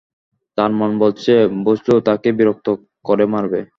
তাঁর মন বলছে বজলু তাঁকে বিরক্ত করে মারবে।